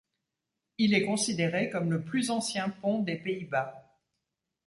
Il est considéré comme le plus ancien pont des Pays-Bas.